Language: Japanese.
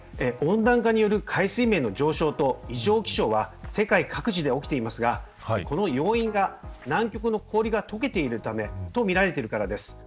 温暖化による海水面の上昇と異常気象は世界各地で起きていますがその要因が南極の氷が解けているためとみられているからです。